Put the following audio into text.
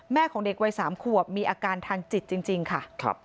ของเด็กวัย๓ขวบมีอาการทางจิตจริงค่ะ